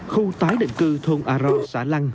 khu tái định cư thôn aron xã lăng